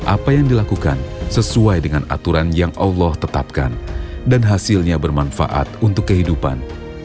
apa yang dilakukan sesuai dengan aturan yang allah tetapkan dan hasilnya bermanfaat untuk kehidupan